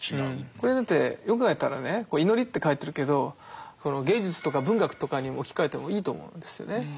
これはだってよく考えたらね祈りって書いてるけど芸術とか文学とかに置き換えてもいいと思うんですよね。